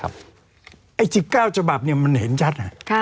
ไอ้๑๙ฉบับมันเห็นชัด